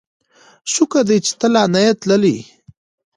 شکر دی چې ته لا نه یې تللی.